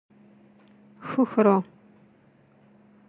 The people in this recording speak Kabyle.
Kukru.